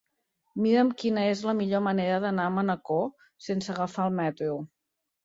Mira'm quina és la millor manera d'anar a Manacor sense agafar el metro.